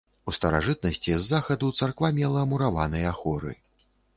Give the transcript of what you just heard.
У старажытнасці з захаду царква мела мураваныя хоры.